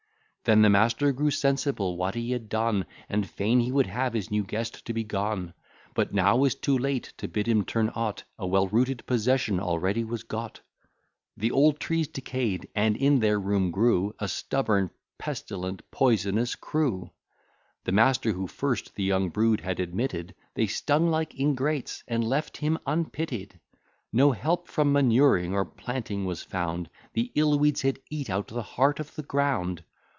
Then the master grew sensible what he had done, And fain he would have his new guest to be gone; But now 'twas too late to bid him turn out, A well rooted possession already was got. The old trees decay'd, and in their room grew A stubborn, pestilent, poisonous crew. The master, who first the young brood had admitted, They stung like ingrates, and left him unpitied. No help from manuring or planting was found, The ill weeds had eat out the heart of the ground.